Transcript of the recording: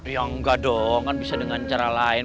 ya enggak dong kan bisa dengan cara lain